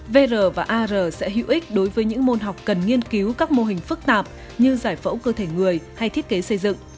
vr và ar sẽ hữu ích đối với những môn học cần nghiên cứu các mô hình phức tạp như giải phẫu cơ thể người hay thiết kế xây dựng